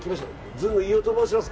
ずんの飯尾と申します。